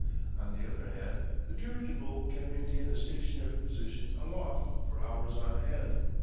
On the other hand, the dirigible can maintain a stationary position aloft for hours on end.